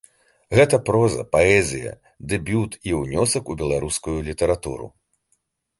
Гэта проза, паэзія, дэбют і ўнёсак у беларускую літаратуру.